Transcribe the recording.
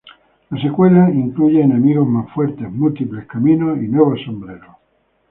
La secuela incluye enemigos más fuertes, múltiples caminos y nuevos sombreros.